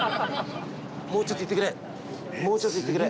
もうちょっと行ってくれ！